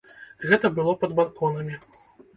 Гэта было пад балконамі.